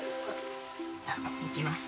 じゃあいきます。